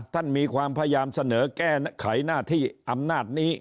มีความพยายามเสนอแก้ไขหน้าที่อำนาจนี้